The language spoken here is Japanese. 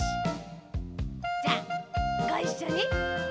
じゃあごいっしょに。